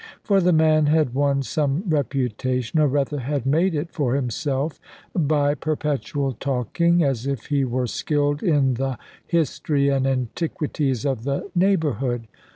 For the man had won some reputation, or rather had made it, for himself, by perpetual talking, as if he were skilled in the history and antiquities of the neighbourhood.